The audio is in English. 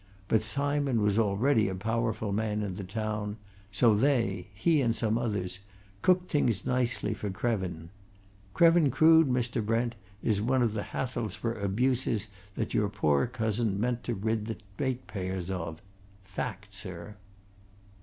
But Simon was already a powerful man in the town, so they he and some others cooked things nicely for Krevin. Krevin Crood, Mr. Brent, is one of the Hathelsborough abuses that your poor cousin meant to rid the ratepayers of fact, sir!"